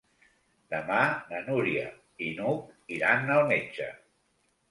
Demà na Núria i n'Hug iran al metge.